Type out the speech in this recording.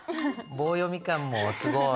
棒読み感もすごい。